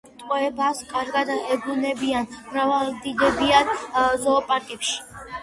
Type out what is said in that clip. ტყვეობას კარგად ეგუებიან, მრავლდებიან ზოოპარკებში.